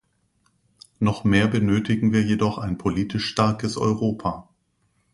Noch mehr benötigen wir jedoch ein politisch starkes Europa.